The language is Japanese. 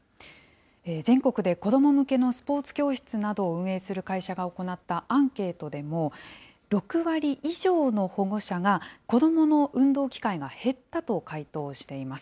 全国で子ども向けのスポーツ教室などを運営する会社が行ったアンケートでも、６割以上の保護者が子どもの運動機会が減ったと回答しています。